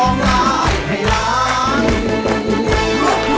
ร้องได้แบบนี้ค่ะพี่หน่อยค่ะ